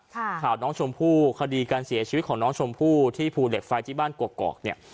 ข่าวน้องชมพู่คดีการเสียชีวิตของน้องชมพู่ที่ภูเหล็กไฟที่บ้านกอกเนี่ย